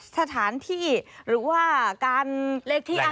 สถานที่หรือว่าการเลขที่อะไร